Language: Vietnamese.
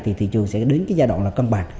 thì thị trường sẽ đến cái giai đoạn là cân bản